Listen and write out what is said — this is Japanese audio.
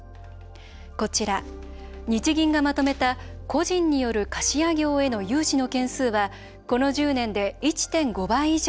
こちら、日銀がまとめた個人による貸家業への融資の件数は、この１０年で１．５倍以上に増加。